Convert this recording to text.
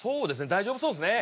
大丈夫そうっすね